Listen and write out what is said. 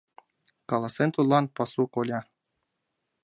- каласен тудлан пасу коля.